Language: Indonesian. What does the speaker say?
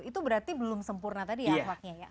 itu berarti belum sempurna tadi ya akmaknya ya